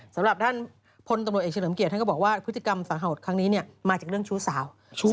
สำหรับท่านพลตำรวจเอกเฉลิมเกียรติท่านก็บอกว่าพฤติกรรมสาหัสครั้งนี้มาจากเรื่องชู้สาว